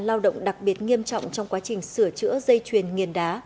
lao động đặc biệt nghiêm trọng trong quá trình sửa chữa dây chuyền nghiền đá